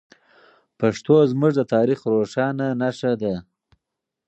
پښتو زموږ د تاریخ روښانه نښه ده.